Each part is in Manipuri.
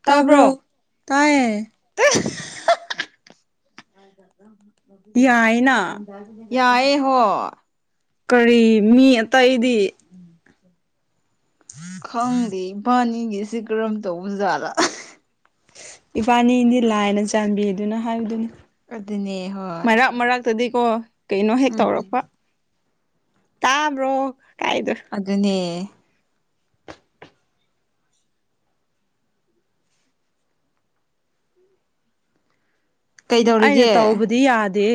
ꯇꯥꯕ꯭ꯔꯣ ꯇꯥꯔꯕ ꯇꯥꯏꯌꯦ [unintelligible] ꯌꯥꯏꯅ ꯌꯥꯏꯌꯦ ꯍꯣꯏ ꯀꯔꯤ ꯃꯤ ꯑꯇꯩꯗꯤ ꯈꯪꯗꯦ ꯏꯕꯥꯅꯤꯒꯤꯁꯤ ꯀꯔꯝ ꯇꯧꯕ ꯖꯥꯠꯗ ꯏꯕꯥꯅꯤꯗꯤ ꯂꯥꯏꯅ ꯆꯥꯟꯕꯤꯗꯨꯅ ꯍꯥꯏꯕꯗꯨꯅꯤ ꯑꯗꯨꯅꯦ ꯍꯣꯏ ꯃꯔꯛ ꯃꯔꯛ ꯇꯗꯤꯀꯣ ꯀꯩꯅꯣ ꯍꯦꯛ ꯎꯝ ꯇꯧꯔꯛꯄ ꯇꯥꯕ꯭ꯔꯣ ꯀꯥꯏꯗꯣ ꯑꯗꯨꯅꯦ ꯑꯩꯅ ꯀꯩꯗꯧꯔꯤꯒꯦ ꯇꯧꯕꯗꯤ ꯌꯥꯗꯦ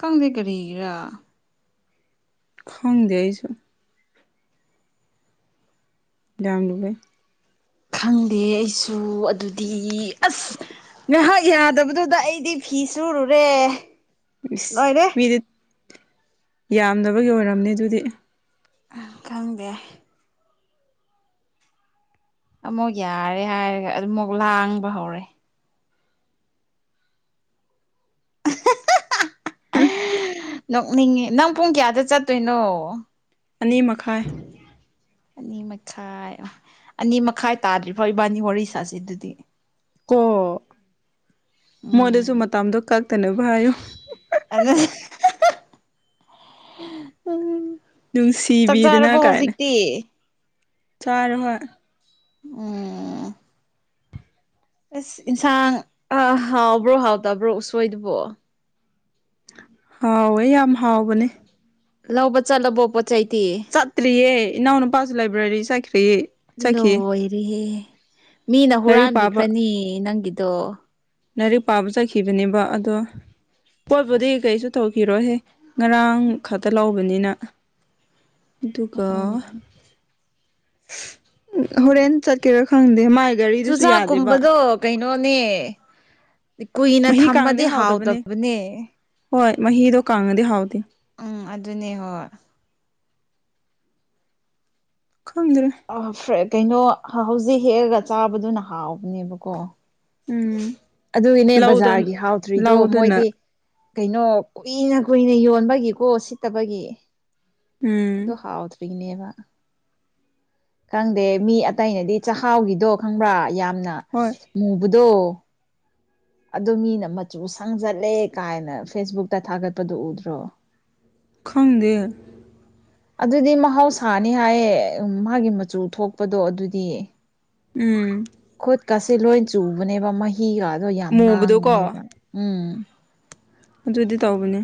ꯀꯪꯗꯦ ꯀꯔꯤꯔꯥ ꯈꯪꯗꯁꯨ ꯌꯥꯝꯝ ꯂꯒꯦ ꯈꯪꯗꯦ ꯑꯩꯁꯨ ꯑꯗꯨꯗꯤ ꯑꯁ ꯉꯍꯥꯛ ꯌꯥꯗꯕꯗꯨꯗ ꯑꯩꯗꯤ ꯐꯤ ꯁꯨꯔꯨꯔꯦ ꯂꯣꯏꯔꯦ ꯃꯤꯗꯤ ꯌꯥꯝꯗꯕꯒꯤ ꯑꯣꯏꯔꯝꯅꯤ ꯑꯗꯨꯗꯤ ꯈꯪꯗꯦ ꯑꯃꯨꯛ ꯌꯥꯔꯦ ꯍꯥꯏꯔꯒ ꯑꯗꯨ ꯑꯃꯨꯛ ꯂꯥꯡꯕ ꯍꯧꯔꯦ ꯎꯝ ꯅꯣꯛꯅꯤꯡꯉ ꯅꯪ ꯄꯨꯡ ꯀꯌꯥꯗ ꯆꯠꯇꯣꯏꯅꯣ ꯑꯅꯤ ꯃꯈꯥꯏ ꯑꯅꯤ ꯃꯈꯥꯏ ꯑꯅꯤ ꯃꯈꯥꯏ ꯇꯥꯗ꯭ꯔꯤꯕꯣ ꯏꯕꯥꯅꯤ ꯋꯥꯔꯤ ꯁꯥꯁꯤ ꯑꯗꯨꯗꯤ ꯀꯣ ꯃꯣꯏꯗꯁꯨ ꯎꯝ ꯃꯇꯝꯗꯣ ꯀꯛꯇꯅꯕ ꯍꯥꯏꯌꯨ ꯑꯗ ꯎꯝ ꯆꯥꯛ ꯅꯨꯡꯁꯤꯕꯤꯗꯅ ꯆꯥꯔꯕꯣ ꯍꯧꯖꯤꯛꯇꯤ ꯆꯥꯎꯥꯔ ꯍꯣꯏ ꯑꯣꯝ ꯑꯁ ꯏꯟꯁꯥꯡ ꯍꯥꯎꯕ꯭ꯔꯣ ꯍꯥꯎꯇꯕ꯭ꯔꯣ ꯎꯁꯣꯏꯗꯨꯕꯣ ꯍꯥꯎꯋꯦ ꯌꯥꯝ ꯍꯥꯎꯕꯅꯦ ꯂꯧꯕꯠ ꯆꯂꯕꯣꯄꯠ ꯆꯩꯇ ꯆꯠꯇ꯭ꯔꯤꯌꯦ ꯏꯅꯥꯎꯅꯨꯄꯥꯁꯨ ꯂꯥꯏꯕ꯭ꯔꯦꯔꯤ ꯆꯠꯈꯤꯔꯤꯌꯦ ꯆꯠꯈꯤꯌꯦ ꯍ ꯃꯤꯅ ꯄꯥꯕ ꯍꯨꯔꯥꯟꯕꯤꯈ꯭ꯔꯅꯤ ꯅꯪꯒꯤꯗꯣ ꯂꯥꯏꯔꯤꯛ ꯄꯥꯕ ꯆꯠꯈꯤꯕꯅꯦꯕ ꯑꯗꯣ ꯄꯣꯠꯄꯨꯗꯤ ꯀꯩꯁꯨ ꯇꯧꯈꯤꯔꯣꯍꯦ ꯉꯔꯥꯡ ꯈꯛꯇ ꯂꯧꯕꯅꯤꯅ ꯑꯗꯨꯒ ꯍꯣꯔꯦꯟꯅ ꯆꯠ ꯀꯔ ꯈꯪꯗ ꯃꯥꯏ ꯒꯥꯔꯤꯗꯨꯁꯨ ꯆꯨꯖꯥꯛ ꯌꯥꯗꯦꯕ ꯀꯨꯝꯕꯗꫭ ꯀꯩꯅꯣꯅꯦ ꯀꯨꯏꯅ ꯃꯍꯤ ꯀꯥꯡꯗꯤ ꯊꯝꯃꯗꯤ ꯍꯥꯎꯗꯕꯅꯦ ꯍꯥꯎꯇꯕꯅꯦ ꯍꯣꯏ ꯃꯍꯤꯗꯣ ꯀꯪꯉꯗꯤ ꯍꯥꯎꯇꯦ ꯎꯝ ꯑꯗꯨꯅꯦ ꯍꯣꯏ ꯈꯪꯗ꯭ꯔꯦ ꯑ ꯐꯦꯠ ꯀꯩꯅꯣ ꯍꯧꯖꯤꯛ ꯍꯦꯛꯑꯒ ꯆꯥꯕꯗꯨꯅ ꯍꯥꯎꯕꯅꯦꯕꯀꯣ ꯎꯝ ꯑꯗꯨꯒꯤꯅꯦ ꯂꯧꯗ ꯕꯖꯥꯔꯒꯤ ꯍꯥꯎꯇꯔꯤꯗꯣ ꯂꯧꯗꯨꯅ ꯃꯣꯏꯗꯤ ꯀꯩꯅꯣ ꯀꯨꯏꯅ ꯀꯨꯏꯅ ꯌꯣꯟꯕꯒꯤꯀꯣ ꯁꯤꯠꯇꯕꯒꯤ ꯎꯝ ꯑꯗꯨ ꯍꯥꯎꯗ꯭ꯔꯤꯅꯦꯕ ꯈꯪꯗꯦ ꯃꯤ ꯑꯇꯩꯅꯗꯤ ꯆꯍꯥꯎꯒꯤꯗꯣ ꯈꯪꯕ꯭ꯔꯥ ꯌꯥꯝꯅ ꯍꯣꯏ ꯃꯨꯕꯗꯣ ꯑꯗꯨ ꯃꯤꯅ ꯃꯆꯨ ꯁꯪꯖꯜꯂꯦ ꯀꯥꯏꯅ ꯐꯦꯁꯕꯨꯛꯇ ꯊꯥꯒꯠꯄꯗꯨ ꯎꯗ꯭ꯔꯣ ꯈꯪꯗꯦ [inaudible] ꯑꯗꯨꯗꯤ ꯃꯍꯧꯁꯥꯅꯤ ꯍꯥꯏꯌꯦ ꯃꯥꯒꯤ ꯃꯆꯨ ꯊꯣꯛꯄꯗꯣ ꯑꯗꯨꯗꯤ ꯎꯝ ꯈꯨꯠꯀꯁꯦ ꯂꯣꯏ ꯆꯨꯕꯅꯦꯕ ꯃꯍꯤꯒꯗꯣ ꯌꯥꯝ ꯃꯨꯕꯗꯣꯀꯣ ꯉꯥꯡꯕꯅꯦꯕ ꯎꯝ ꯑꯗꯨꯗꯤ ꯇꯧꯕꯅꯦ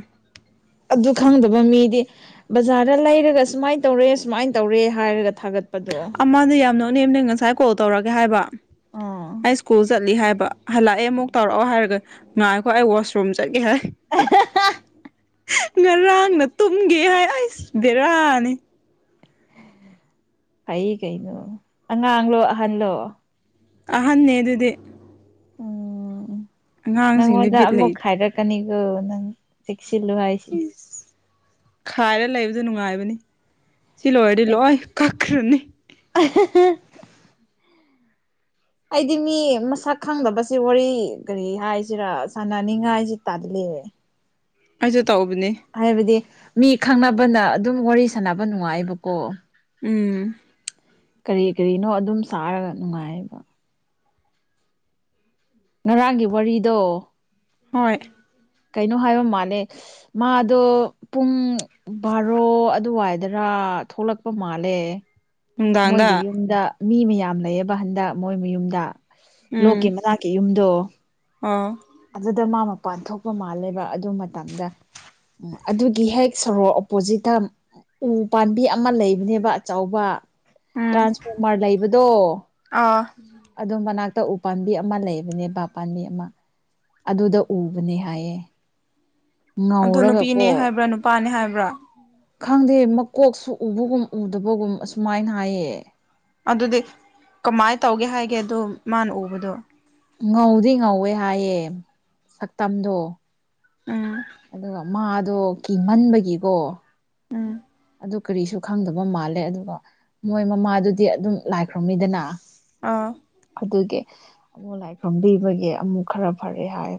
ꯑꯗꯨ ꯈꯪꯗꯕ ꯃꯤꯗꯤ ꯕꯖꯥꯔꯗ ꯂꯩꯔꯒ ꯁꯨꯃꯥꯏꯅ ꯇꯧꯔꯦ ꯁꯨꯃꯥꯏꯅ ꯇꯧꯔꯦ ꯍꯥꯏꯔꯒ ꯊꯥꯒꯠ ꯑꯃꯗꫭ ꯌꯥꯝ ꯅꯣꯛꯅꯤꯡꯕꯅꯦ ꯉꯁꯥꯏ ꯀꯣꯜ ꯇꯧꯔꯛꯒꯦ ꯍꯥꯏꯕ ꯑꯥ ꯑꯩ ꯏꯁ꯭ꯀꯨꯜ ꯆꯠꯂꯤ ꯍꯥꯏꯕ ꯍꯜꯂꯛꯑꯦ ꯑꯃꯨꯛ ꯇꯧꯔꯛꯑꯣ ꯍꯥꯏꯔꯒ ꯉꯥꯏꯈꯣ ꯑꯩ ꯋꯥꯁꯔꯨꯝ ꯆꯪꯒꯦ ꯍꯥꯏ [unintelligible] ꯉꯔꯥꯡꯅ ꯇꯨꯝꯒꯦ ꯍꯥꯏ ꯑꯩꯁ ꯕꯦꯔꯥꯅꯤ ꯐꯩ ꯀꯩꯅꯣ ꯑꯉꯥꯡꯂꯣ ꯑꯍꯜꯂꯣ ꯑꯍꯟꯅꯦ ꯑꯗꯨꯗꯤ ꯎꯝ ꯑꯉꯥꯡꯁꯤꯡꯗꯤ ꯅꯪꯉꯣꯟꯗ ꯕꯤꯠ ꯑꯃꯨꯛ ꯂꯩꯇꯦ ꯈꯥꯏꯔꯛꯀꯅꯤꯒꯣ ꯅꯪ ꯆꯦꯛꯁꯤꯜꯂꯨ ꯍꯥꯏꯁꯤ ꯏꯁ ꯈꯥꯏꯔ ꯂꯩꯕꯗꯨ ꯅꯨꯡꯉꯥꯏꯕꯅꯤ ꯁꯤ ꯂꯣꯏꯔꯗꯤ ꯂꯣꯏ ꯀꯛꯈ꯭ꯔꯅꯤ [unintelligible] ꯑꯩꯗꯤ ꯃꯤ ꯃꯁꯛ ꯈꯪꯗꯕꯁꯤ ꯋꯥꯔꯤ ꯀꯔꯤ ꯍꯥꯏꯁꯤꯔꯥ ꯁꯥꯟꯅꯅꯤꯡꯉꯥꯏꯁꯤ ꯇꯜꯂꯤ ꯑꯩꯖꯨ ꯇꯧꯕꯅꯤ ꯍꯥꯏꯕꯗꯤ ꯃꯤ ꯈꯪꯅꯕꯅ ꯑꯗꯨꯝ ꯋꯥꯔꯤ ꯁꯥꯟꯅꯕ ꯅꯨꯡꯉꯥꯏꯕꯀꯣ ꯎꯝ ꯀꯔꯤ ꯀꯔꯤꯅꯣ ꯑꯗꯨꯝ ꯁꯥꯔꯒ ꯅꯨꯡꯉꯥꯏꯌꯦꯕ ꯉꯔꯥꯡꯒꯤ ꯋꯥꯔꯤꯗꯣ ꯍꯣꯏ ꯀꯩꯅꯣ ꯍꯥꯏꯕ ꯃꯥꯅꯦ ꯃꯥꯗꯣ ꯄꯨꯡ ꯕꯥꯔꯣ ꯑꯗꯨꯋꯥꯏ ꯗꯔꯥ ꯊꯣꯛꯂꯛꯄ ꯃꯥꯜꯂꯦ ꯅꯨꯡꯗꯥꯡꯗ ꯃꯣꯏꯒꯤ ꯌꯨꯝꯗ ꯃꯤ ꯃꯌꯥꯝ ꯂꯩꯌꯦꯕ ꯍꯟꯗꯛ ꯃꯣꯏ ꯃꯌꯨꯝꯗ ꯂꯣꯛꯀꯤ ꯃꯅꯥꯛꯀꯤ ꯌꯨꯝꯗꯣ ꯑꯥ ꯑꯗꯨꯗ ꯃꯥ ꯃꯄꯥꯟ ꯊꯣꯛꯄ ꯃꯥꯜꯂꯦꯕ ꯑꯗꯨ ꯃꯇꯝꯗ ꯑ ꯑꯗꯨꯒꯤ ꯍꯦꯛ ꯁꯣꯔꯣꯛ ꯄꯣꯖꯤꯛꯇ ꯎꯝ ꯄꯥꯔꯇꯤ ꯑꯃ ꯂꯩꯕꯅꯦꯕ ꯑꯆꯧꯕ ꯎꯝ ꯇ꯭ꯔꯥꯟꯁꯐꯣꯔꯃꯔ ꯂꯩꯕꯗꯣ ꯑꯥ ꯑꯗꯨ ꯃꯅꯥꯛꯇ ꯎ ꯄꯥꯝꯕꯤ ꯑꯃ ꯂꯩꯕꯅꯦꯕꯥ ꯄꯥꯝꯕꯤ ꯑꯃ ꯑꯗꯨꯗ ꯎꯕꯅꯦ ꯍꯥꯏꯌꯦ ꯑꯗꯨ ꯅꯨꯄꯤꯅꯦ ꯉꯧꯔꯒꯀꯣ ꯍꯥꯏꯕ꯭ꯔꯥ ꯅꯨꯄꯥꯅꯦ ꯍꯥꯏꯕ꯭ꯔꯥ ꯈꯪꯗꯦ ꯃꯀꯣꯛꯁꯨ ꯎꯕꯒꯨꯝ ꯎꯗꯕꯒꯨꯝ ꯑꯁꯨꯃꯥꯏꯅ ꯍꯥꯏꯌꯦ ꯑꯗꯨꯗꯤ ꯀꯃꯥꯏꯅ ꯇꯧꯒꯦ ꯍꯥꯏꯒꯦ ꯑꯗꯨ ꯃꯥꯅ ꯎꯕꯗꯣ ꯉꯧꯗꯤ ꯉꯧꯋꯦ ꯍꯥꯏꯌꯦ ꯁꯛꯇꯝꯗꯣ ꯎꯝ ꯑꯗꯨꯒ ꯃꯥꯗꯣ ꯀꯤꯍꯟꯕꯒꯤꯀꯣ ꯎꯝ ꯑꯗꯨ ꯀꯔꯤꯁꯨ ꯈꯪꯗꯕ ꯃꯥꯜꯂꯦ ꯑꯗꯨꯒ ꯃꯣꯏ ꯃꯃꯥꯗꯨꯗꯤ ꯑꯗꯨꯝ ꯂꯥꯏ ꯈ꯭ꯔꯣꯝꯃꯤꯗꯅ ꯑꯥ ꯑꯗꯨꯒꯤ ꯑꯃꯨꯛ ꯂꯥꯏ ꯈ꯭ꯔꯨꯝꯕꯤꯕꯒꯤ ꯑꯃꯨꯛ ꯈꯔ ꯐꯔꯦ ꯍꯥꯏ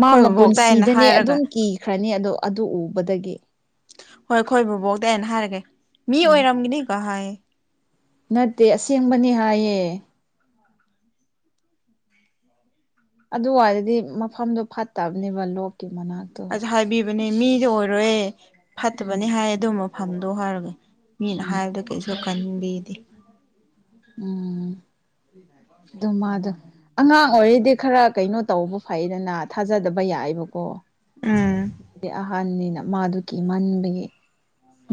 ꯃꯥ ꯕꯕꯣꯛꯇꯥꯏꯅ ꯃꯄꯨꯟꯁꯤꯗꯅꯦ ꯍꯥꯏꯔꯒ ꯑꯗꯨꯝ ꯀꯤꯈ꯭ꯔꯅꯤ ꯑꯗꯣ ꯑꯗꯨ ꯎꯕꯗꯒꯤ ꯍꯣꯏ ꯈꯣꯏ ꯕꯕꯣꯛꯗ ꯑꯩꯅ ꯍꯥꯏꯔꯒꯦ ꯃꯤ ꯎꯝ ꯑꯣꯏꯔꯝꯒꯅꯤ ꯀ ꯍꯥꯏ ꯅꯠꯇꯦ ꯑꯁꯦꯡꯕꯅꯤ ꯍꯥꯏꯌꯦ [inaudible] ꯑꯗꯨꯋꯥꯏꯔꯗꯤ ꯃꯐꯝꯗꯣ ꯐꯠꯇꯕꯅꯦꯕ ꯂꯣꯛꯀꯤ ꯃꯅꯥꯛꯇ ꯑꯁ ꯍꯥꯏꯕꯤꯕꯅꯦ ꯃꯤꯗꯤ ꯑꯣꯏꯔꯣꯏ ꯎꯝ ꯐꯠꯇꯕꯅꯤ ꯍꯥꯏ ꯑꯗꯨ ꯃꯐꯝꯗꯣ ꯍꯥꯏꯔꯒꯦ ꯃꯤꯅ ꯎꯝ ꯍꯥꯏꯕꯗ ꯀꯩꯁꯨ ꯀꯟꯕꯤꯗꯦ ꯎꯝ ꯑꯗꯨꯃꯗ ꯑꯉꯥꯡ ꯑꯣꯏꯔꯤꯗꯤ ꯈꯔ ꯀꯩꯅꯣ ꯇꯧꯕ ꯐꯩꯗꯅ ꯊꯥꯖꯗꯕ ꯌꯥꯏꯕꯀꯣ ꯎꯝ ꯗꯤ ꯑꯍꯥꯟꯕꯅꯤꯅ ꯃꯥꯗꯨ ꯀꯤꯃꯟꯕꯒꯤ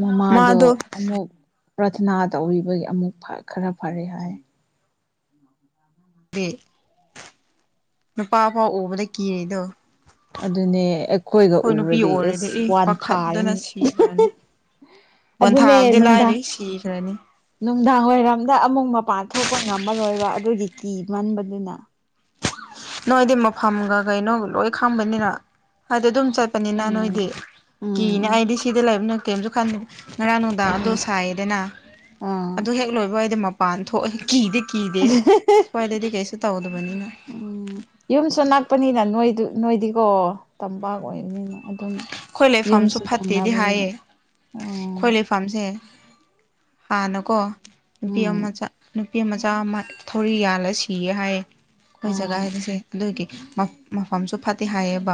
ꯃꯃꯥꯗꯣ ꯃꯥꯗꯣ ꯑꯃꯨꯛ ꯄ꯭ꯔꯊꯅꯥ ꯇꯧꯔꯤꯕꯒꯤ ꯑꯃꯨꯛ ꯈꯔ ꯐꯔꯦ ꯍꯥꯏ ꯗꯤ ꯅꯨꯄꯥ ꯄꯥꯎ ꯎꯕꯗ ꯀꯤꯔꯦꯗꯣ ꯑꯗꯨꯅꯦ ꯑꯩꯈꯣꯏꯒ ꯑꯩꯈꯣꯏ ꯅꯨꯄꯤ ꯎꯔꯗꯤ ꯑꯣꯏꯔꯦꯗꯤ ꯑꯦꯁ ꯑꯦ ꯋꯥꯟ ꯄꯥꯈꯠꯇꯅ ꯊꯥꯔꯅꯤ ꯁꯤꯈ꯭ꯔꯅꯤ ꯑꯗꯨꯅꯦ ꯋꯥꯟꯊꯥꯕꯗꯤ ꯂꯥꯏꯔꯤ ꯅꯨꯡꯗꯥꯡ ꯁꯤꯈ꯭ꯔꯅꯤ ꯅꯨꯡꯗꯥꯡ ꯋꯥꯏꯔꯝꯗ ꯑꯃꯨꯛ ꯃꯄꯥꯟ ꯊꯣꯛꯄ ꯉꯝꯃꯔꯣꯏꯕ ꯑꯗꯨꯒꯤ ꯀꯤ ꯃꯟꯕꯗꯨꯅ ꯅꯣꯏꯗꯤ ꯃꯐꯝꯒ ꯀꯩꯅꯣꯒ ꯂꯣꯏ ꯈꯪꯕꯅꯤꯅ ꯍꯥꯏꯗꯤ ꯑꯗꯨꯝ ꯆꯠꯄꯅꯤꯅ ꯎꯝ ꯅꯣꯏꯗꯤ ꯎꯝ ꯀꯤꯅꯦ ꯑꯩꯗꯤ ꯁꯤꯗ ꯂꯩꯕꯅ ꯀꯩꯝꯁꯨ ꯈꯟꯗ ꯉꯔꯥꯡ ꯅꯨꯡꯗꯥꯡ ꯑꯗꯨ ꯁꯥꯏꯌꯦꯗꯅ ꯑꯥ ꯑꯗꯨ ꯍꯦꯛ ꯂꯣꯏꯕ ꯑꯩꯗꯤ ꯃꯄꯥꯟ ꯊꯣꯛꯑ ꯀꯤꯗꯤ ꯀꯤꯗꯦ ꯁ꯭ꯋꯥꯏꯗꯗꯤ ꯀꯩꯁꯨ ꯇꯧꯗꯕꯅꯤꯅ ꯎꯝ ꯌꯨꯝꯁꯨ ꯅꯛꯄꯅꯤꯅ ꯅꯣꯏꯗꯨ ꯅꯣꯏꯗꯤꯀꯣ ꯇꯝꯄꯥꯛ ꯑꯣꯏꯕꯅꯤꯅ ꯑꯗꯨꯝ ꯈꯣꯏ ꯂꯩꯐꯝꯁꯨ ꯌꯨꯝꯁꯨ ꯐꯠꯇꯦꯗꯤ ꯊꯪꯅꯕꯅꯤꯅ ꯍꯥꯏꯌꯦ ꯑꯣ ꯈꯣꯏ ꯂꯩꯐꯝ ꯐꯥꯝꯁꯦ ꯍꯥꯟꯅꯀꯣ ꯅꯨꯄꯤ ꯎꯝ ꯑꯃꯆꯥ ꯅꯨꯄꯤ ꯃꯆꯥ ꯑꯃ ꯊꯧꯔꯤ ꯌꯥꯜꯂ ꯁꯤꯌꯦ ꯍꯥꯏꯌꯦ ꯑꯩꯈꯣꯏ ꯖꯒꯥ ꯑꯣ ꯍꯥꯏꯗꯁꯦ ꯑꯗꯨꯒꯤ ꯃꯐꯝꯁꯨ ꯐꯠꯇꯦ ꯍꯥꯏꯌꯦꯕ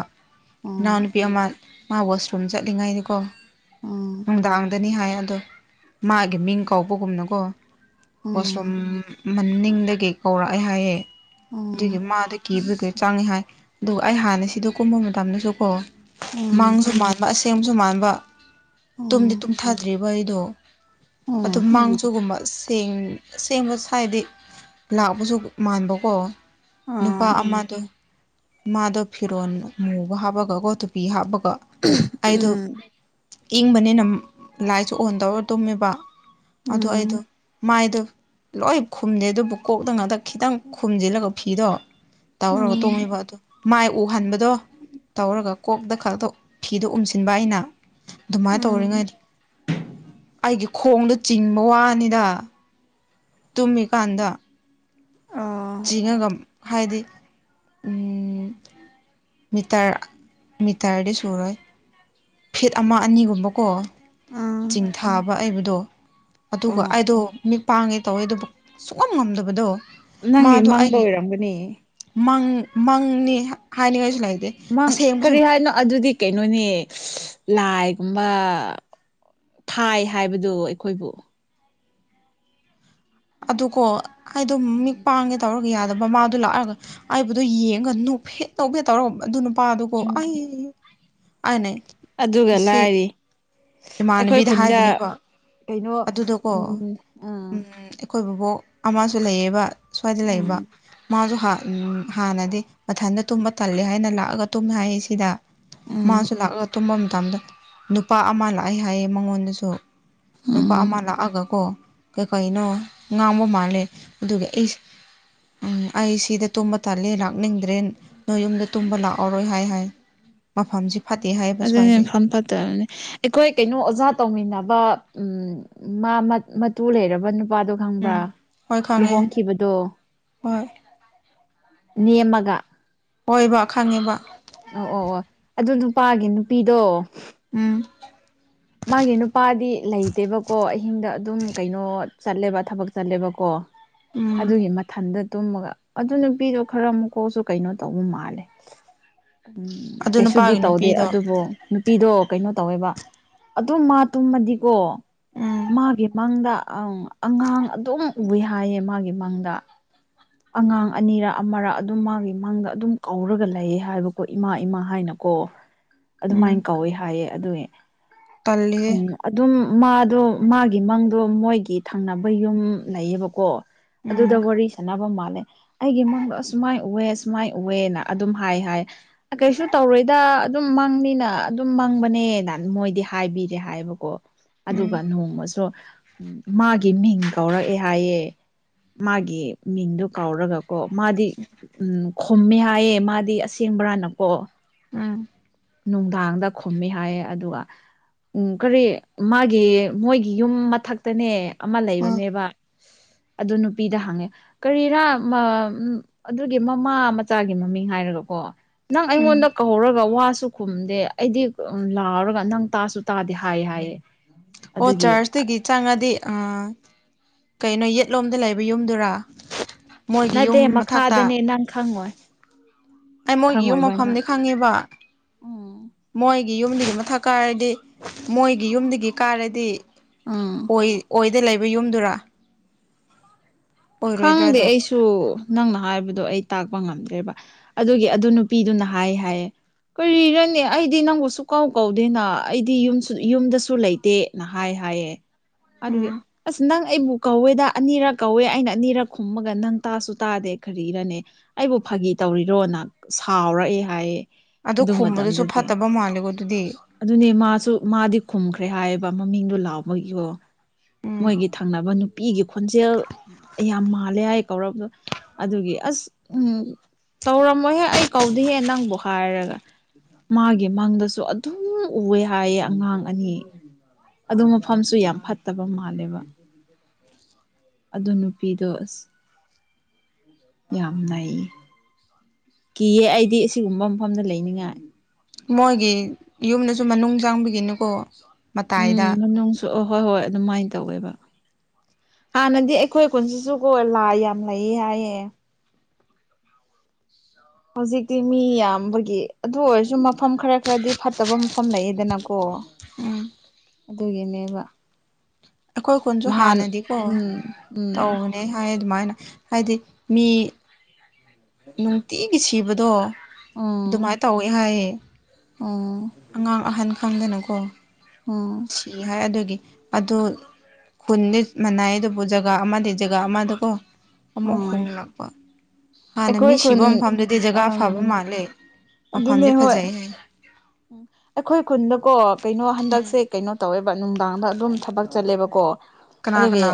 ꯏꯅꯥꯎ ꯑꯣ ꯅꯨꯨꯄꯤ ꯑꯃ ꯃꯥ ꯋꯥꯁꯔꯨꯝ ꯆꯠꯂꯤꯉꯩꯅꯤꯀꯣ ꯅꯨꯡꯗꯥꯡꯗꯅꯤ ꯍꯥꯏ ꯑꯗꯣ ꯃꯥꯒꯤ ꯃꯤꯡ ꯀꯧꯕꯒꯨꯝꯅꯀꯣ ꯋꯥꯣꯁꯔꯨꯝ ꯃꯅꯤꯡꯗꯒꯤ ꯀꯧꯔꯛꯑꯦ ꯍꯥꯏꯌꯦ ꯑꫭ ꯑꯗꯨꯒꯤ ꯃꯥꯗ ꯀꯦꯕꯒꯤ ꯆꯪꯉꯦ ꯍꯥꯏ ꯑꯗꯨꯒ ꯑꯩ ꯍꯥꯟꯅ ꯁꯤꯗꯣ ꯀꯨꯝꯕ ꯃꯇꯝꯗꯁꯨ ꯀꯣ ꯃꯥꯡꯁꯨ ꯃꯥꯟꯕ ꯑꯁꯦꯡꯁꯨ ꯃꯥꯟꯕ ꯇꯨꯝꯗꯤ ꯇꯨꯝꯊꯗ꯭ꯔꯤꯕ ꯑꯩꯗꯣ ꯑꯗꯨ ꯃꯥꯡ ꯑꯗꯨꯒꯨꯝꯕ ꯁꯦꯡ ꯑꯁꯦꯡꯕ ꯁ꯭ꯥꯏꯗꯤ ꯂꯥꯛꯄꯁꯨ ꯃꯥꯟꯕꯀꯣ ꯅꯨꯄꯥ ꯑꯃꯗꯣ ꯃꯥꯗꯣ ꯐꯤꯔꯣꯟꯜ ꯃꯨꯒ ꯍꯥꯞꯄꯒ ꯈꯣꯠꯇ ꯄꯤ ꯍꯥꯞꯄꯒꯣ ꯑꯩꯗꯣ ꯏꯪꯕꯅꯤꯅ ꯂꯥꯏꯠꯁꯨ ꯑꯣꯟ ꯇꯧꯔ ꯇꯨꯝꯃꯦꯕ ꯑꯗꯨ ꯑꯩꯗꯣ ꯃꯥꯏꯗꯣ ꯂꯣꯏ ꯈꯨꯝꯗꯦ ꯑꯗꯨꯕꯨ ꯀꯣꯛꯇ ꯉꯗ ꯈꯤꯇꯪ ꯈꯣꯨꯝꯖꯤꯜꯂꯒ ꯐꯤꯗꯣ ꯇꯥꯎꯔꯒ ꯇꯣꯡꯉꯤꯕ ꯑꯗꯨ ꯃꯥꯏ ꯎꯍꯟꯕꯗꯣ ꯇꯧꯔꯒ ꯀꯣꯛꯇ ꯈꯛꯇ ꯐꯤꯗꯣ ꯎꯝꯁꯤꯟꯕ ꯑꯩꯅ ꯑꯗꯨꯃꯥꯏꯅ ꯇꯧꯔꯤꯉꯩ ꯑꯩꯒꯤ ꯈꯣꯡꯗꯣ ꯆꯤꯡꯕ ꯋꯥꯅꯤꯗ ꯇꯨꯝꯃꯤ ꯀꯥꯟꯗꯥ ꯆꯤꯡꯉꯒ ꯍꯥꯏꯗꯤ ꯎꯝ ꯃꯤꯇꯔ ꯃꯤꯇꯔꯗꯤ ꯁꯨꯔꯣꯏ ꯐꯤꯠ ꯑꯃ ꯑꯅꯤꯒꯨꯝꯕꯀꯣ ꯆꯤꯡ ꯊꯥꯕ ꯑꯩꯕꯗꯣ ꯑꯗꯨꯒ ꯑꯩꯗꯣ ꯃꯤꯠ ꯄꯥꯡꯉꯦ ꯇꯧꯋꯦ ꯑꯗꯨꯕꯨ ꯁꯨꯛꯉꯝ ꯉꯝꯗꯕꯗꯣ ꯅꯪꯒꯤ ꯃꯥꯗꯣ ꯃꯪꯗ ꯑꯩꯒꯤ ꯑꯣꯏꯔꯝꯒꯅꯤ ꯃꯪ ꯃꯪꯅꯤ ꯍꯥꯏꯅꯤꯡꯉꯥꯏꯁꯨ ꯂꯩꯇꯦ ꯃꯪ ꯑꯁꯦꯡꯕꯁꯨ ꯀꯔꯤ ꯍꯥꯏꯅꯣ ꯑꯗꯨꯗꯤ ꯀꯩꯅꯣꯅꯦ ꯂꯥꯏꯒꯨꯝꯕ ꯊꯥꯏ ꯍꯥꯏꯕꯗꯨꯣ ꯑꯩꯈꯣꯏꯕꯨ ꯑꯗꯨꯀꯣ ꯑꯩꯗꯣ ꯃꯤꯠ ꯄꯥꯡꯉꯦ ꯇꯧꯔꯒ ꯌꯥꯗꯕ ꯃꯥꯗꯣ ꯂꯥꯛꯑꯒ ꯍꯥꯏꯕꯗꯨꯣ ꯌꯦꯡꯉꯒ ꯅꯣꯐꯦꯠ ꯇꯧꯐꯦ ꯇꯧꯔꯒ ꯑꯗꯨꯅ ꯄꯥꯗꯨꯒꯣ ꯑꯩ ꯑꯏꯅꯦ ꯑꯗꯨꯒ ꯂꯥꯏꯔꯤ ꯑꯩꯈꯣꯏ ꯏꯃꯥꯟꯅꯕꯤꯗ ꯈꯨꯟꯗ ꯍꯥꯏꯕꯅꯦꯕꯣ ꯀꯩꯅꯣ ꯎꯝ ꯑꯥ ꯑꯩꯈꯣꯏꯕꯨꯕꯣꯛ ꯑꯃꯁꯨ ꯂꯩꯌꯦꯕ ꯁ꯭ꯋꯥꯏꯗ ꯎꯝ ꯂꯩꯌꯦꯕ ꯃꯥꯁꯨ ꯍꯥꯟꯅꯗꯤ ꯃꯊꯟꯗ ꯇꯨꯝꯕ ꯇꯜꯂꯦ ꯍꯥꯏꯅ ꯂꯥꯛꯑꯒ ꯇꯨꯝ ꯍꯥꯏ ꯁꯤꯗ ꯎꯝ ꯃꯥꯁꯨ ꯂꯥꯛꯑꯒ ꯇꯨꯝꯕ ꯃꯇꯝꯗ ꯅꯨꯄꯥ ꯑꯃ ꯂꯥꯛꯑꯦ ꯍꯥꯏꯌꯦ ꯃꯉꯣꯟꯗꯁꯨ ꯅꯨꯄꯥ ꯎꯝ ꯑꯃ ꯂꯥꯛꯑꯒꯀꯣ ꯀꯩ ꯀꯩꯅꯣ ꯉꯥꯡꯕ ꯃꯥꯜꯂꯦ ꯑꯗꯨꯒꯤ ꯑꯩꯁꯦ ꯎꯝ ꯑꯩ ꯁꯤꯗ ꯇꯨꯝꯕ ꯇꯥꯜꯂꯤ ꯂꯥꯛꯅꯤꯡꯗ꯭ꯔꯦ ꯅꯣꯏ ꯌꯨꯝꯗ ꯇꯨꯝꯕ ꯂꯥꯛꯑꯣꯔꯣꯏ ꯍꯥꯏ ꯍꯥꯏ ꯃꯐꯝꯁꯤ ꯐꯠꯇꯦ ꯍꯥꯏꯌꯦꯕ ꯑꯗꯨ ꯅꯦ ꯁ꯭ꯋꯥꯏꯁꯦ ꯐꯝ ꯄꯠꯇꯅꯤꯅꯦ ꯑꯩꯈꯣꯏ ꯀꯩꯅꯣ ꯑꯣꯖꯥ ꯇꯧꯃꯤꯟꯅꯕ ꯃꯥ ꯃꯇꯨ ꯂꯩꯔꯕ ꯅꯨ ꯅꯨꯄꯥꯗꯣ ꯈꯪꯕ꯭ꯔꯥ ꯎꯝ ꯍꯣꯏ ꯈꯪꯉꯦ ꯂꯨꯍꯣꯡꯈꯤꯕꯗꯣ ꯍꯣꯏ ꯅꯦꯝꯃꯒ ꯍꯣꯏꯕ ꯈꯪꯉꯦꯕ ꯑꯣ ꯑꯣ ꯑꯣ ꯑꯗꯨ ꯅꯨꯄꯥꯒꯤ ꯅꯨꯄꯤꯗꯣ ꯎꯝ ꯃꯥꯒꯤ ꯅꯨꯄꯥꯗꯤ ꯂꯩꯇꯦꯕꯀꯣ ꯑꯍꯤꯡꯗ ꯑꯗꯨꯝ ꯀꯩꯅꯣ ꯆꯠꯂꯦꯕ ꯊꯕꯛ ꯆꯠꯂꯦꯕꯀꯣ ꯎꯝ ꯑꯗꯨꯒꯤ ꯃꯊꯟꯗ ꯇꯨꯝꯃꯒ ꯑꯗꯨ ꯅꯨꯄꯤꯗꯣ ꯈꯔ ꯃꯀꯣꯛꯁꯨ ꯀꯩꯅꯣ ꯇꯧꯕ ꯃꯥꯜꯂꯦ ꯎꯝ ꯑꯗꯨ ꯀꯩꯁꯨꯗꯤ ꯅꯨꯄꯥꯒꯤ ꯇꯧꯗꯦ ꯅꯨꯄꯤꯗꯣ ꯑꯗꯨꯕꯨ ꯅꯨꯄꯤꯗꯣ ꯀꯩꯅꯣ ꯇꯧꯋꯦꯕ ꯑꯗꯨ ꯃꯥ ꯇꯨꯝꯃꯗꯤꯀꯣ ꯎꯝ ꯃꯥꯒꯤ ꯃꯪꯗ ꯑ ꯑꯉꯥꯡ ꯑꯗꯨꯝ ꯎꯏ ꯍꯥꯏꯌꯦ ꯃꯥꯒꯤ ꯃꯪꯗ ꯑꯉꯥꯡ ꯑꯅꯤꯔꯑꯃꯔ ꯑꯗꯨꯝ ꯃꯥꯒꯤ ꯃꯥꯡꯗ ꯑꯗꯨꯝ ꯀꯧꯔꯒ ꯂꯩꯌꯦ ꯍꯥꯏꯕꯀꯣ ꯏꯃꯥ ꯏꯃꯥ ꯍꯥꯏꯅꯀꯣ ꯎꯝ ꯑꯗꯨꯃꯥꯏꯅ ꯀꯧꯋꯦ ꯍꯥꯏꯌꯦ ꯑꯗꯨ ꯇꯜꯂꯤꯍꯦ ꯎꯝ ꯑꯗꯨꯝ ꯃꯥꯗꯣ ꯃꯥꯒꯤ ꯃꯪꯗꯣ ꯃꯣꯏꯒꯤ ꯊꯪꯅꯕ ꯌꯨꯝ ꯂꯩꯌꯦꯕꯀꯣ ꯑꯗꯨꯗ ꯎꯝ ꯋꯥꯔꯤ ꯁꯥꯟꯅꯕ ꯃꯥꯜꯂꯦ ꯑꯩꯒꯤ ꯃꯪꯗꯣ ꯑꯁꯨꯃꯥꯏ ꯎꯋꯦꯅ ꯑꯁꯨꯃꯥꯢ ꯎꯋꯦ ꯑꯗꯨꯝ ꯍꯥꯏ ꯍꯥꯏ ꯀꯩꯁꯨ ꯇꯧꯔꯣꯏꯗ ꯑꯗꯨꯝ ꯃꯪꯅꯤꯅ ꯑꯗꯨꯝ ꯃꯪꯕꯅꯦꯅ ꯃꯣꯏꯗꯤ ꯍꯥꯏꯕꯤꯔꯦ ꯍꯥꯏꯕꯀꯣ ꯎꯝ ꯑꯗꯨꯒ ꯅꯣꯡꯃꯁꯨ ꯃꯥꯒꯤ ꯃꯤꯡ ꯀꯧꯔꯛꯑꯦ ꯍꯥꯏꯌꯦ ꯃꯥꯒꯤ ꯃꯤꯡꯗꯣ ꯀꯧꯔꯒ ꯀꯣ ꯃꯥꯗꯤ ꯎꯝ ꯈꯨꯝꯃꯦ ꯍꯥꯏꯌꯦ ꯃꯥꯗꯤ ꯑꯁꯦꯡꯕ꯭ꯔꯥꯅꯀꯣ ꯎꯝ ꯅꯨꯡꯗꯥꯡꯗ ꯈꯨꯝꯃꯤ ꯍꯥꯏꯌꯦ ꯑꯗꯨꯒ ꯎꯝ ꯀꯔꯤ ꯃꯥꯒꯤ ꯃꯣꯏꯒꯤ ꯌꯨꯝ ꯃꯊꯛꯇꯅꯦ ꯑꯃ ꯍꯣꯏ ꯂꯩꯕꯅꯦꯕ ꯑꯗꯨ ꯅꯨꯄꯤꯗ ꯍꯥꯡꯉꯦ ꯀꯔꯤꯔꯥ ꯎꯝ ꯑꯗꯨꯒꯤ ꯃꯃꯥ ꯃꯆꯥꯒꯤ ꯃꯃꯤꯡ ꯍꯥꯏꯔꯒꯀꯣ ꯅꯪ ꯎꯝ ꯑꯩꯉꯣꯟꯗ ꯀꯧꯍꯧꯔꯒ ꯋꯥꯁꯨ ꯈꯨꯝꯗꯦ ꯑꯩꯗꯤ ꯎ ꯂꯥꯎꯔꯒ ꯅꯪ ꯇꯥꯁꯨ ꯇꯥꯗꯦ ꯍꯥꯏꯌꯦ ꯍꯥꯏꯌꯦ ꯑꯣ ꯑꯗꯨꯒꯤ ꯆꯔꯆꯇ ꯒꯤ ꯆꯪꯉꯗꯤ ꯀꯩꯅꯣ ꯑ ꯌꯦꯠꯂꯣꯝꯗ ꯂꯩꯕ ꯌꯨꯝꯗꯨꯔꯥ ꯃꯣꯏꯒꯤ ꯅꯠꯇꯦ ꯌꯨꯝ ꯃꯊꯛꯇ ꯃꯈꯥꯗꯅꯦ ꯅꯪ ꯈꯉꯣꯏ ꯑꯩ ꯃꯣꯏꯒꯤ ꯌꯨꯝ ꯃꯐꯝꯗꯤ ꯈꯪꯉꯦꯕ ꯎꯝ ꯃꯣꯏꯒꯤ ꯌꯨꯝꯗꯒꯤ ꯃꯊꯛ ꯀꯥꯔꯗꯤ ꯃꯣꯏꯒꯤ ꯌꯨꯝꯗꯒꯤ ꯀꯥꯔꯗꯤ ꯑꯥ ꯑꯣꯏ ꯑꯣꯏꯗ ꯂꯩꯕ ꯌꯨꯝꯗꯨꯔꯥ ꯑꯣꯏꯔꯣꯏꯗ꯭ꯔꯥ ꯈꯪꯗꯦ ꯑꯗꯣ ꯑꯩꯁꯨ ꯁꯨ ꯅꯪꯅ ꯍꯥꯏꯕꯗꯣ ꯑꯩ ꯇꯥꯛꯄ ꯉꯝꯗ꯭ꯔꯦꯕ ꯑꯗꯨꯒꯤ ꯑꯗꯨ ꯅꯨꯄꯤꯗꯨꯅ ꯍꯥꯏ ꯍꯥꯏꯌꯦ ꯀꯔꯤꯔꯅꯦ ꯑꯩꯗꯤ ꯅꯪꯕꯨꯁꯨ ꯀꯥꯎ ꯀꯧꯗꯦꯅ ꯑꯩꯗꯤ ꯌ ꯌꯨꯝꯗꯁꯨ ꯂꯩꯇꯦ ꯍꯥꯏ ꯍꯥꯏꯌꯦ ꯑꯗꯨꯒꯤ ꯑꯁ ꯅꯪ ꯑꯩꯕꯨ ꯀꯧꯋꯦꯗ ꯑꯅꯤꯔꯛ ꯀꯧꯋꯦ ꯑꯩꯅ ꯑꯅꯤꯔꯛ ꯈꯨꯝꯃꯒ ꯅꯪ ꯇꯥꯁꯨ ꯇꯥꯗꯦ ꯈꯔꯤꯔꯅꯦ ꯑꯩꯕꯨ ꯐꯥꯒꯤ ꯇꯧꯔꯤꯔꯣꯅ ꯁꯥꯎꯔꯛꯑꯦ ꯍꯥꯏꯌꯦꯦ ꯑꯗꯨ ꯈꯨꯝꯕꯗꯨꯁꯨ ꯐꯠꯇꯕ ꯃꯥꯜꯂꯦꯀꯣ ꯑꯗꯨꯗꯤ ꯑꯗꯨꯅꯦ ꯃꯥꯁꯨ ꯃꯥꯗꯤ ꯈꯨꯝꯈ꯭ꯔꯦ ꯍꯥꯏꯌꯦꯕ ꯃꯃꯤꯡꯗꯣ ꯂꯥꯎꯕꯒꯤꯀꯣ ꯃꯣꯏꯒꯤ ꯊꯪꯅꯕ ꯅꯨꯄꯤꯒꯤ ꯈꯣꯟꯖꯦꯜ ꯌꯥꯝ ꯃꯥꯜꯂꯦ ꯍꯥꯏ ꯀꯧꯔꯕꯗꯣ ꯑꯗꯨꯒꯤ ꯑꯁ ꯎꯝ ꯇꯧꯔꯝꯃꯣꯍꯦ ꯑꯩ ꯀꯧꯗꯤꯍꯦ ꯅꯪꯕꯨ ꯍꯥꯏꯔꯒ ꯃꯥꯒꯤ ꯃꯪꯗꯁꯨ ꯑꯗꯨꯝ ꯎꯑꯦ ꯍꯥꯏꯌꯦ ꯑꯉꯥꯡ ꯑꯅꯤ ꯑꯗꯨ ꯃꯐꯝꯁꯨ ꯌꯥꯝ ꯐꯠꯇꯕ ꯃꯥꯜꯂꯦꯕ ꯑ ꯅꯨꯄꯤꯗꯣ ꯑꯁ ꯌꯥꯝ ꯅꯥꯏꯌꯦ ꯀꯤꯌꯦ ꯑꯩꯗꯤ ꯑꯁꯤꯒꯨꯝꯕ ꯃꯐꯝꯗ ꯂꯩꯅꯤꯡꯉꯥꯏ ꯃꯣꯏꯒꯤ ꯌꯨꯝꯗꯁꯨ ꯃꯅꯨꯡ ꯆꯪꯕꯒꯤꯅꯤꯀꯣ ꯃꯇꯥꯏꯗ ꯎꯝ ꯃꯅꯨꯡꯁꯨ ꯑ ꯍꯣꯏ ꯍꯣꯏ ꯑꯗꯨꯃꯥꯏꯅ ꯇꯧꯋꯦꯕ ꯍꯥꯟꯅꯗꯤ ꯑꯩꯈꯣꯏ ꯀꯨꯟꯁꯤꯁꯨ ꯀꯣ ꯂꯥꯏ ꯌꯥꯝ ꯂꯩ ꯍꯥꯏꯌꯦ ꯍꯧꯖꯤꯛꯇꯤ ꯃꯤ ꯌꯥꯝꯕꯒꯤ ꯑꯗꯨ ꯑꯣꯏꯔꯁꯨ ꯃꯐꯝ ꯈꯔ ꯈꯔꯗꯤ ꯐꯠꯇꯕ ꯃꯐꯝ ꯂꯩꯌꯦꯗꯅꯀꯣ ꯎꯝ ꯑꯗꯨꯒꯤꯅꯦꯕ‌ ꯑꯩꯈꯣꯏ ꯈꯨꯟꯁꯨ ꯍꯥꯟꯅꯗꯤꯀꯣ ꯎꯝ ꯎꯝ ꯇꯧꯅꯤ ꯍꯥꯏ ꯑꯗꯨꯃꯥꯏꯅ ꯍꯥꯏꯗꯤ ꯃꯤ ꯅꯨꯡꯇꯤꯒꯤ ꯁꯤꯕꯗꯣ ꯑꯗꯨꯃꯥꯏꯅ ꯇꯧꯋꯤ ꯍꯥꯏꯌꯦ ꯑꯥ ꯑꯉꯥꯡ ꯑꯍꯟ ꯈꯪꯗꯅꯀꯣ ꯑꯣꯝ ꯊꯤ ꯍꯥꯏ ꯑꯗꯨꯒꯤ ꯑꯗꯨ ꯈꯨꯟꯗꯤ ꯃꯅꯥꯏ ꯑꯗꯨꯕꯨ ꯖꯒꯥ ꯑꯃꯗꯤ ꯖꯒꯥ ꯑꯃꯗꯒꯣ ꯑꯃꯨꯛ ꯎꯝ ꯍꯣꯡꯂꯛꯄ ꯍꯥꯟꯅ ꯃꯤ ꯑꯩꯈꯣꯏ ꯈꯨꯟ ꯁꯤꯕ ꯃꯐꯝꯗꯨꯗꯤ ꯖꯒꯥ ꯑꯝ ꯐꯕ ꯃꯥꯜꯂꯦ ꯃꯐꯝꯗꯤ ꯐꯖꯩ ꯍꯥꯏꯅ ꯎꯝ ꯑꯩꯈꯣꯏ ꯈꯨꯟꯗꯀꯣ ꯀꯩꯅꯣ ꯎꯝ ꯍꯟꯗꯛꯁꯦ ꯀꯩꯅꯣ ꯇꯧꯋꯦꯕ ꯅꯨꯡꯗꯥꯡꯗ ꯑꯗꯨꯝ ꯊꯕꯛ ꯆꯠꯂꯦꯕꯀꯣ ꯀꯅꯥ ꯑꯗꯨꯒꯤ ꯀꯅꯥ